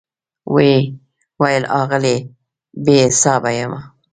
وی ویل آغلې , بي حساب یمه